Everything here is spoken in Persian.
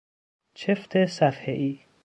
چفت صفحهای